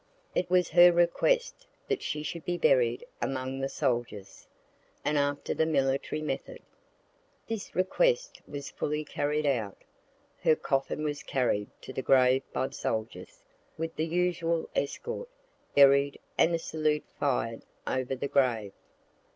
It was her request that she should be buried among the soldiers, and after the military method. This request was fully carried out. Her coffin was carried to the grave by soldiers, with the usual escort, buried, and a salute fired over the grave.